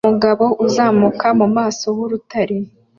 Umugabo uzamuka mu maso h'urutare